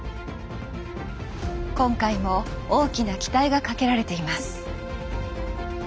今回も大きな期待がかけられています。